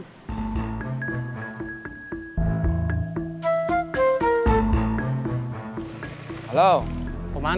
buat apa kamu suruh saran